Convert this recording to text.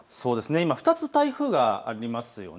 今２つ台風がありますよね。